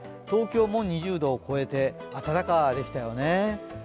東京も２０度を超えて、暖かでしたよね。